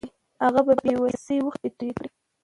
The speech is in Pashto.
هغه په بې وسۍ اوښکې توې کړې.